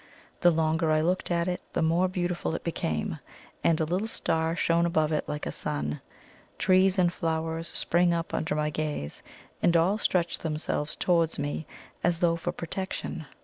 The longer I looked at it, the more beautiful it became, and a little star shone above it like a sun. Trees and flowers sprang up under my gaze, and all stretched themselves towards me, as though for protection.